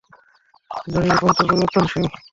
জনির রূপান্তর পরিবর্তনশীল?